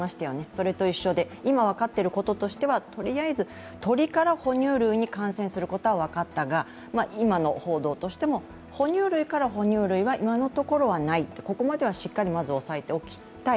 それと一緒で、今分かっていることとしては、とりあえず鳥から哺乳類に感染することはわかったが、哺乳類から哺乳類に感染することは今のところはない、ここまではしっかりと抑えておきたい。